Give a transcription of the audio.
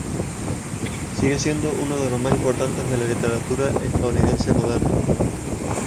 Sigue siendo uno de los más importantes de la literatura estadounidense moderna.